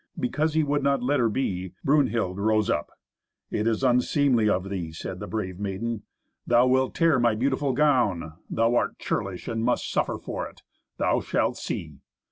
Because he would not let her be, Brunhild rose up. "It is unseemly of thee," said the brave maiden. "Thou wilt tear my beautiful gown. Thou art churlish and must suffer for it. Thou shalt see!"